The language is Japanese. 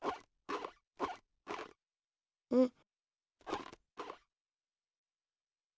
うん？